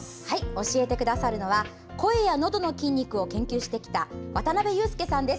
教えてくださるのは声や、のどの筋肉を研究してきた渡邊雄介さんです。